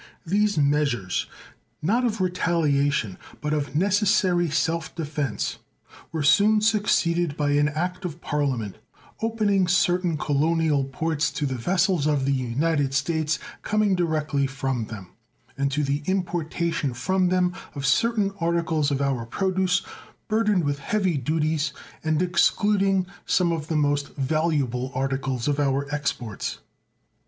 These measures, not of retaliation, but of necessary self defense, were soon succeeded by an act of Parliament opening certain colonial ports to the vessels of the United States coming directly from them, and to the importation from them of certain articles of our produce burdened with heavy duties, and excluding some of the most valuable articles of our exports.